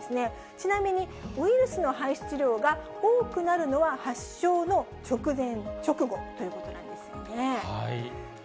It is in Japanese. ちなみにウイルスの排出量が多くなるのは、発症の直前、直後ということなんですよね。